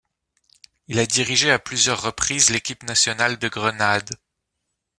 Il a dirigé à plusieurs reprises l'équipe nationale de Grenade.